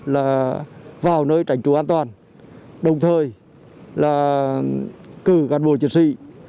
là vào nơi tránh trú an toàn đồng thời là cử cán bộ chiến sĩ